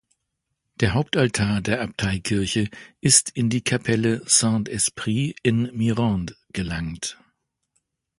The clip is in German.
Der Hauptaltar der Abteikirche ist in die Kapelle Saint-Esprit in Mirande gelangt.